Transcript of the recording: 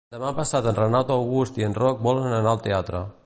Demà passat en Renat August i en Roc volen anar al teatre.